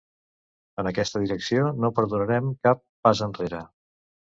En aquesta direcció, no donarem cap pas enrere.